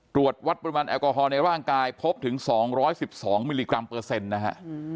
ตรวจวัดปริมาณแอลกอฮอลในร่างกายพบถึง๒๑๒มิลลิกรัมเปอร์เซ็นต์นะฮะ